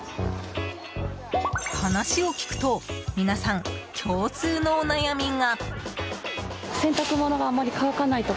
話を聞くと皆さん共通のお悩みが。